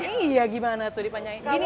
kamu mengalami skaliosis